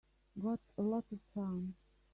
Got a lot of charm.